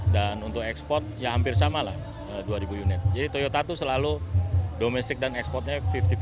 domestik dan ekspornya lima puluh lima puluh